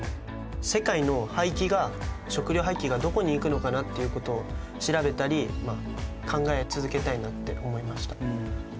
世界の廃棄が食料廃棄がどこにいくのかなっていうことを調べたり考え続けたいなって思いました。